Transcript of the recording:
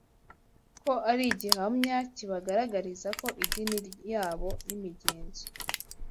ko ari igihamya kibagaragariza ko idini yabo n’imigenzo